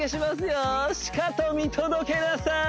よしかと見届けなさーい！